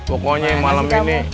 pokoknya yang malam ini